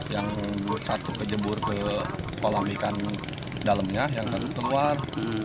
yang satu ke jebur ke kolam ikan dalemnya yang keluar